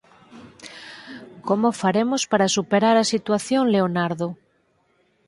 Como faremos para superar a situación, Leonardo?